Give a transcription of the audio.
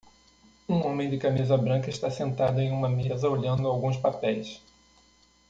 Um homem de camisa branca está sentado em uma mesa olhando alguns papéis